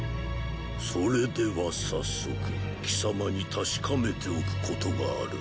それでは早速貴様に確かめておくことがある。